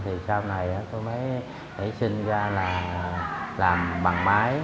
thì sau này tôi mới nảy sinh ra là làm bằng máy